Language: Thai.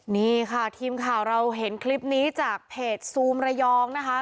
นี่ค่ะทีมข่าวเราเห็นคลิปนี้จากเพจซูมระยองนะคะ